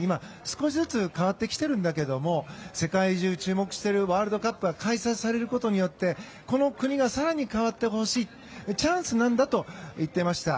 今、少しずつ変わってきているんだけど世界中、注目しているワールドカップが開催されることによってこの国が更に変わってほしいチャンスなんだと言っていました。